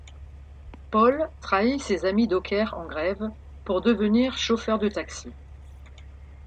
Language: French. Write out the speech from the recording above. Paul trahit ses amis dockers en grève pour devenir chauffeur de taxi.